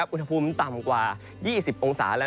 อุณหภูมิต่ำกว่า๒๐องศาแล้ว